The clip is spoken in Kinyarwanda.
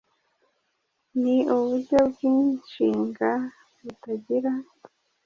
Ni uburyo bw’inshinga butagira